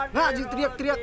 nggak ngaji teriak teriak